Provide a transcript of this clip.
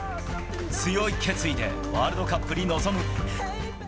強い決意でワールドカップに臨む。